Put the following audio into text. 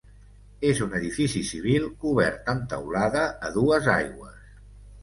És un edifici civil cobert amb teulada a dues aigües.